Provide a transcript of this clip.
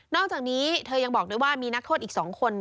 อกจากนี้เธอยังบอกด้วยว่ามีนักโทษอีก๒คน